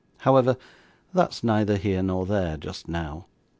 However, that's neither here nor there, just now.